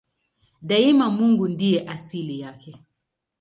Daima Mungu ndiye asili yake.